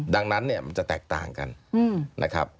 ดังนั้นเนี่ยมันจะแตกต่างกันนะครับ